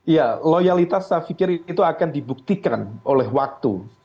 ya loyalitas saya pikir itu akan dibuktikan oleh waktu